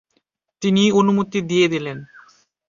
তিনি অনুমতি দিয়ে দিলেন।